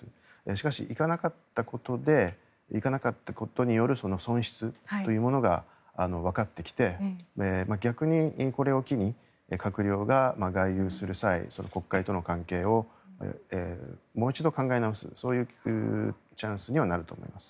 しかし、行かなかったことで行かなかったことによる損失というものがわかってきて逆にこれを機に閣僚が外遊する際国会との関係をもう一度考え直すそういうチャンスにはなると思います。